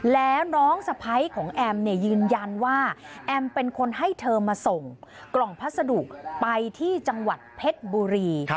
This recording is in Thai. แล้วน้องสะพ้ายของแอมเนี่ยยืนยันว่าแอมเป็นคนให้เธอมาส่งกล่องพัสดุไปที่จังหวัดเพชรบุรี